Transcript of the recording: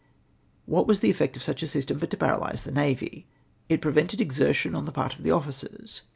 What was the effect of such a system but to paralyse the Navy ? It prevented exertion on the part of the officers.